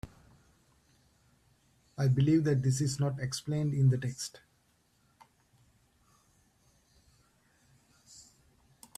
I believe that this is not explained in the text.